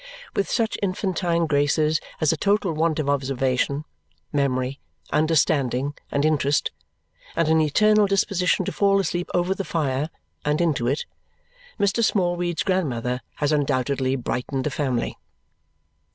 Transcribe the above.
With such infantine graces as a total want of observation, memory, understanding, and interest, and an eternal disposition to fall asleep over the fire and into it, Mr. Smallweed's grandmother has undoubtedly brightened the family.